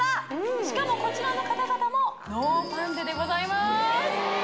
しかもこちらの方々もノーファンデでございます